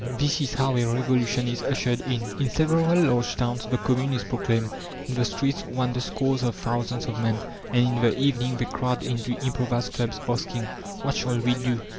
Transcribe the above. This is how a revolution is ushered in. In several large towns the Commune is proclaimed. In the streets wander scores of thousands of men, and in the evening they crowd into improvised clubs, asking: "What shall we do?"